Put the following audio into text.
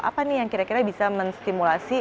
apa nih yang kira kira bisa menstimulasi